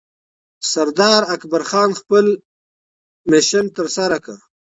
سردار اکبرخان خپل مشن ترسره کړ